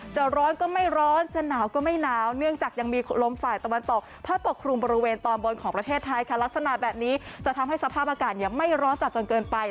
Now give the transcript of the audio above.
จะทำให้สภาพอากาศยังไม่ร้อนจัดจนเกินไป